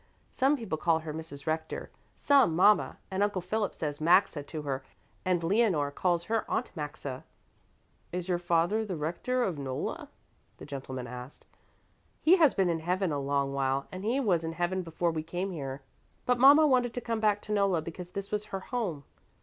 Some people call her Mrs. Rector, some mama, and Uncle Philip says Maxa to her and Leonore calls her Aunt Maxa." "Is your father the rector of Nolla?" the gentleman asked. "He has been in heaven a long while, and he was in heaven before we came here, but mama wanted to come back to Nolla because this was her home.